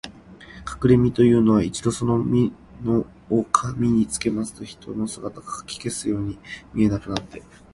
かくれみのというのは、一度そのみのを身につけますと、人の姿がかき消すように見えなくなって、